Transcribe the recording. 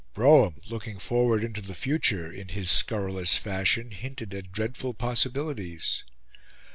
Brougham, looking forward into the future in his scurrilous fashion, hinted at dreadful possibilities.